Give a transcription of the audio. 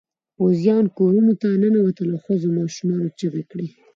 پوځيان کورونو ته ننوتل او ښځو ماشومانو چیغې کړې.